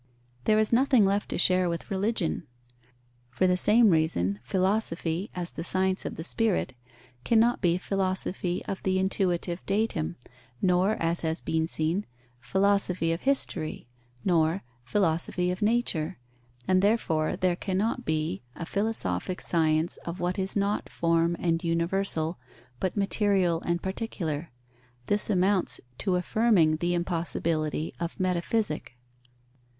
There is nothing left to share with religion. For the same reason, philosophy, as the science of the spirit, cannot be philosophy of the intuitive datum; nor, as has been seen, Philosophy of History, nor Philosophy of Nature; and therefore there cannot be a philosophic science of what is not form and universal, but material and particular. This amounts to affirming the impossibility of metaphysic.